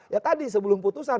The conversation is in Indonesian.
ya tadi sebelum putusan